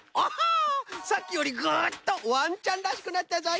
さっきよりグッとワンちゃんらしくなったぞい！